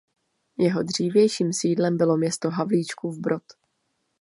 Jeho dřívějším sídlem bylo město Havlíčkův Brod.